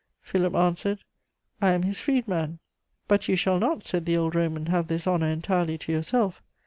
"Philip answered: "'I am his freedman.' "'But you shall not,' said the old Roman, 'have this honour entirely to yourself.